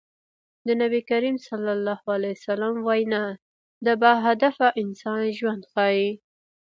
د نبي کريم ص وينا د باهدفه انسان ژوند ښيي.